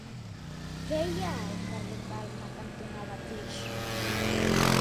Què hi ha al carrer Palma cantonada Tirso?